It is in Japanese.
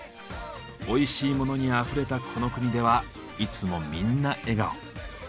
おいしいモノにあふれたこの国ではいつもみんな笑顔。